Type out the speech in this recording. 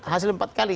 hasil empat kali